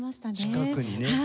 近くにね。